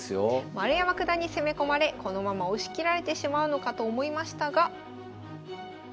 丸山九段に攻め込まれこのまま押し切られてしまうのかと思いましたが。